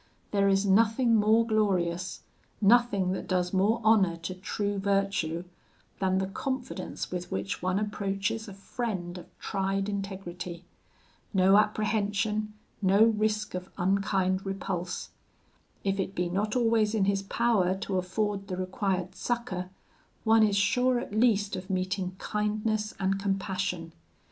There is nothing more glorious nothing that does more honour to true virtue, than the confidence with which one approaches a friend of tried integrity; no apprehension, no risk of unkind repulse: if it be not always in his power to afford the required succour, one is sure at least of meeting kindness and compassion.